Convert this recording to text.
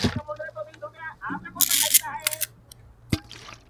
موسیقي د احساساتو څرګندونه کوي